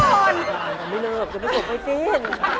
เดี๋ยวบ่นไม่เริ่มจะได้ขบไปเต้น